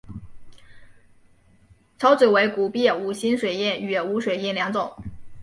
钞纸为古币五星水印与无水印两种。